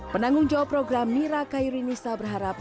penanggung jawab program mira kairi nista berharap